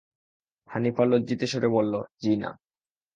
হানিফা লজ্জিত স্বরে বলল, জ্বি-না।